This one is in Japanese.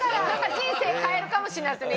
人生変えるかもしれないですよね